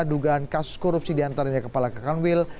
dugaan kasus korupsi diantaranya kepala kekanwil